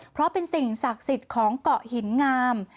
เพราะเป็นสิ่งศักดิ์สิทธิ์ของเกาะหินงาม